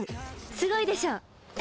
すごいでしょ。